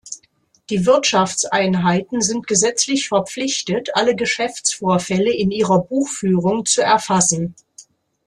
Die Wirtschaftseinheiten sind gesetzlich verpflichtet, alle Geschäftsvorfälle in ihrer Buchführung zu erfassen.